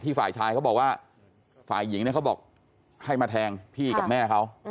ฝ่ายชายเขาบอกว่าฝ่ายหญิงเนี่ยเขาบอกให้มาแทงพี่กับแม่เขา